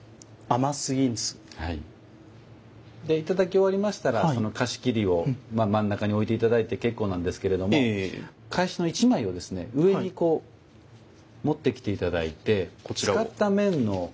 で頂き終わりましたらその菓子切りを真ん中に置いて頂いて結構なんですけれども懐紙の１枚をですね上にこう持ってきて頂いて使った面の中にしまい込んでしまうといいますか。